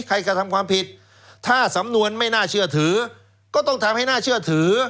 กระทำความผิดถ้าสำนวนไม่น่าเชื่อถือก็ต้องทำให้น่าเชื่อถือ